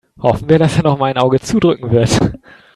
Hoffen wir, dass er nochmal ein Auge zudrücken wird.